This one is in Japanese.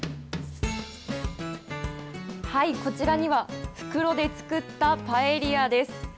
こちらには、袋で作ったパエリアです。